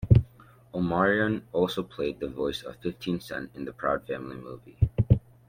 Omarion also played the voice of Fifteen Cent in The Proud Family Movie.